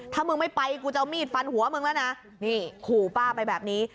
ถ้ามึงไปกูจะเอามีดฟันหัวมึงนะคูป้าไปแบบนี้